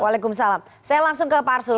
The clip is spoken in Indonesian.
waalaikumsalam saya langsung ke pak arsul